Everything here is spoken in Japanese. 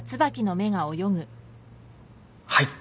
はい。